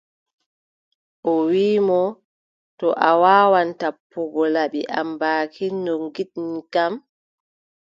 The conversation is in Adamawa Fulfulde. O wiʼi mo : to a waawan tappugo laɓi am baakin no ngiɗmin kam,